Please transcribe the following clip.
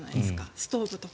ストーブとか。